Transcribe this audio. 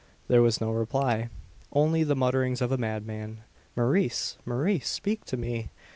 There was no reply: only the mutterings of a madman. "Maurice! Maurice! speak to me!